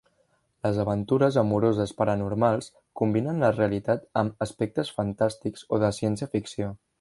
Les aventures amoroses paranormals combinen la realitat amb aspectes fantàstics o de ciència ficció.